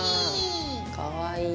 かわいい。